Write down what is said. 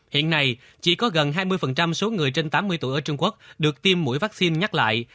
hiện nay chỉ có gần hai mươi số người trên tám mươi tuổi ở trung quốc được tiêm mũi vaccine nhắc lại